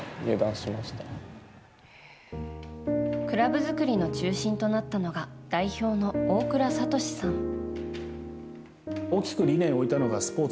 クラブ作りの中心となったのが代表の大倉智さん。